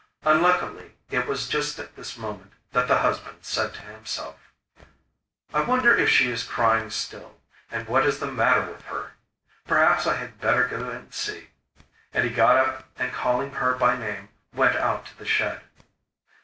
Unluckily it was just at this moment that the husband said to himself: 'I wonder if she is crying still, and what is the matter with her! Perhaps I had better go and see.' And he got up and, calling her by name, went out to the shed.